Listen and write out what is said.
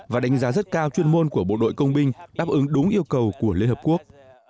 và đánh giá rất cao chuyên môn của bộ đội công binh đáp ứng đúng yêu cầu của liên hợp quốc